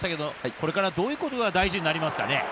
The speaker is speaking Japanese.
これからどういうことが大事になりますかね。